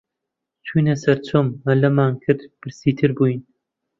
چووینە سەر چۆم، مەلەمان کرد، برسیتر بووین